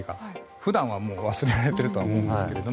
普段は忘れられているとは思うんですけど。